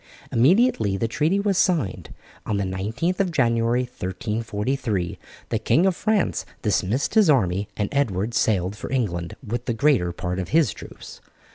Immediately the treaty was signed, on the 19th of January, 1343, the King of France dismissed his army, and Edward sailed for England with the greater part of his troops.